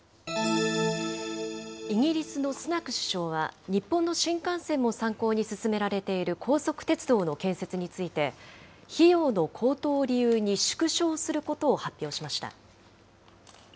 イギリスのスナク首相は、日本の新幹線も参考に進められている高速鉄道の建設について、費用の高騰を理由に縮小することを発表しました。